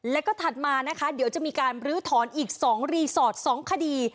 แล้วก็ถัดมานะคะเดี๋ยวจะมีการลื้อถอนอีก๒รีสอร์ท๒คดี